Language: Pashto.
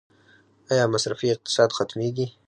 آیا مصرفي اقتصاد ختمیږي؟